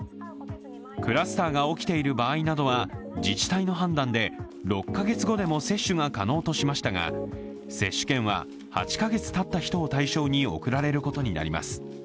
クラスターが起きている場合などは自治体の判断で６カ月後でも接種が可能としましたが接種券は８カ月たった人を対象に送られることになります。